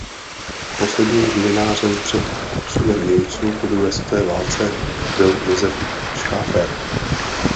Posledním mlynářem před odsunem Němců po druhé světové válce byl Josef Schäfer.